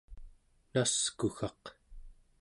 naskuggaq